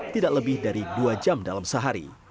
tidak lebih dari dua jam dalam sehari